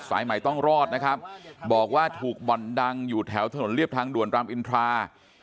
สายใหม่ต้องรอดนะครับบอกว่าถูกบ่อนดังอยู่แถวถนนเรียบทางด่วนรามอินทรา